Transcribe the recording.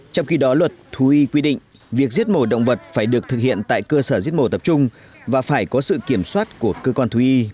trong khi đó luật thú y quy định việc giết mổ động vật phải được thực hiện tại cơ sở giết mổ tập trung và phải có sự kiểm soát của cơ quan thú y